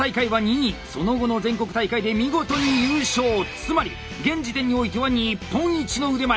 つまり現時点においては日本一の腕前！